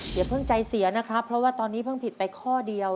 อย่าเพิ่งใจเสียนะครับเพราะว่าตอนนี้เพิ่งผิดไปข้อเดียว